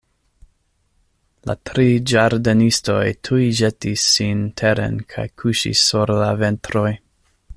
La tri ĝardenistoj tuj ĵetis sin teren kaj kuŝis sur la ventroj.